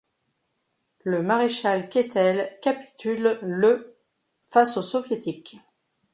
Le maréchal Keitel capitule le face aux Soviétiques.